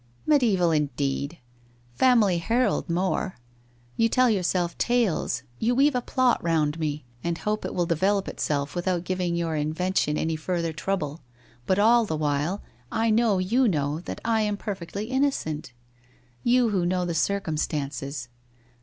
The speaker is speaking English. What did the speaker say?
' Mediaeval, indeed ! Family Herald ; more ! You tell yourself tales, you weave a plot round me, and hope it will develop itself without giving your invention any further trouble, but all the while I know you know that I am per fectly innocent. You who know the circumstances